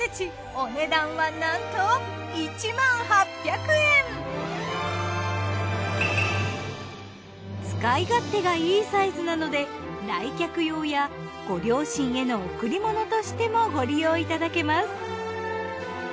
お値段はなんと使い勝手がいいサイズなので来客用やご両親への贈り物としてもご利用いただけます。